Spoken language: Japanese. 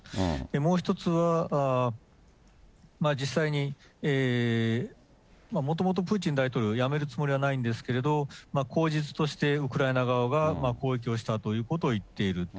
もう一つは、実際に、もともとプーチン大統領、やめるつもりはないんですけど、口実としてウクライナ側が、攻撃をしたということを言っている。